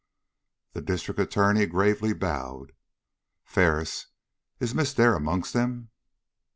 The District Attorney gravely bowed. "Ferris, is Miss Dare amongst them?"